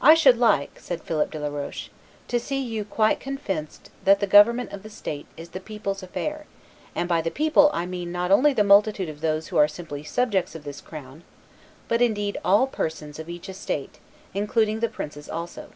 "I should like," said Philip de la Roche, "to see you quite convinced that the government of the state is the people's affair; and by the people I mean not only the multitude of those who are simply subjects of this crown, but indeed all persons of each estate, including the princes also.